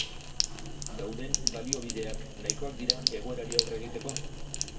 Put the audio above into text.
Dauden balioabideak nahikoak dira egoerari aurre egiteko?